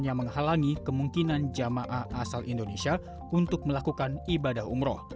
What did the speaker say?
yang menghalangi kemungkinan jamaah asal indonesia untuk melakukan ibadah umroh